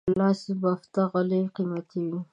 لاس بافته غالۍ قیمتي وي.